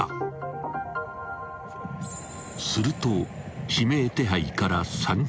［すると］